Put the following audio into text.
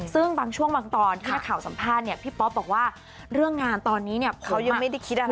ซึ่งบางช่วงบางตอนที่นักข่าวสัมภาษณ์เนี่ยพี่ป๊อปบอกว่าเรื่องงานตอนนี้เนี่ยเขายังไม่ได้คิดอะไร